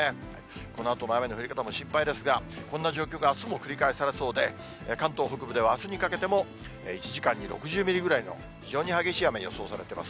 このあとの雨の降り方も心配ですが、こんな状況があすも繰り返されそうで、関東北部ではあすにかけても、１時間に６０ミリぐらいの非常に激しい雨が予想されています。